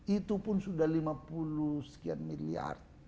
itu pun sudah lima puluh sekian miliar